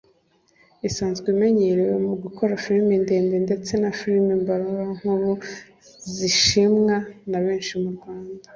isanzwe imenyerewe mu gukora film ndende ndetse na film mbarankuru zishimwa na benshi mu Rwanda